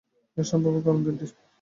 এর সম্ভাব্য কারণ তিনটি।